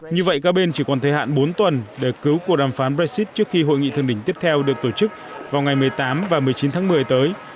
như vậy các bên chỉ còn thời hạn bốn tuần để cứu cuộc đàm phán brexit trước khi hội nghị thượng đỉnh tiếp theo được tổ chức vào ngày một mươi tám và một mươi chín tháng một mươi tới